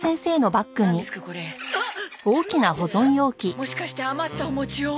もしかして余ったお餅を？